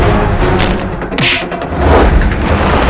kau akan dihukum